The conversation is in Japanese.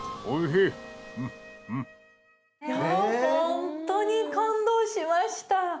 ほんとに感動しました。